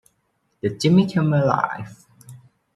The Jimmy Kimmel Live!